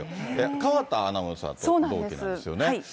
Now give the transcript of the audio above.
川田アナウンサーと同期なんですよね。